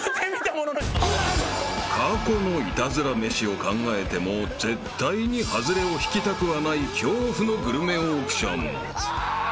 ［過去のイタズラ飯を考えても絶対に外れを引きたくはない恐怖のグルメオークション］